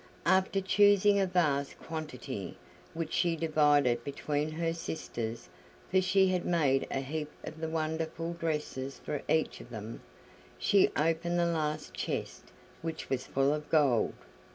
After choosing a vast quantity, which she divided between her sisters for she had made a heap of the wonderful dresses for each of them she opened the last chest, which was full of gold.